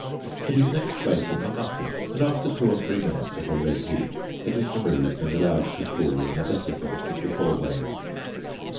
It is next placed in the muffle, and, after two or three minutes at a red heat, it is removed and allowed to cool in the desiccator before weighing.